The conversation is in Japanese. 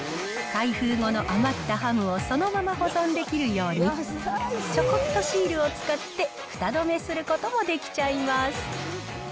開封後の余ったハムをそのまま保存できるように、ちょこっとシールを使って、ふた止めすることもできちゃいます。